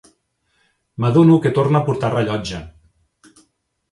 M'adono que torna a portar rellotge.